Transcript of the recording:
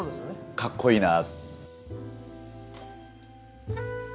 かっこいいなあ！